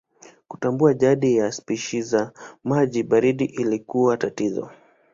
Kutambua jadi ya spishi za maji baridi ilikuwa tatizo.